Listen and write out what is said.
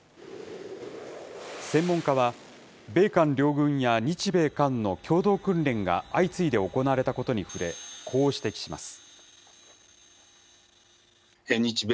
専門家は、米韓両軍や日米韓の共同訓練が相次いで行われたことに触れ、こう指摘します。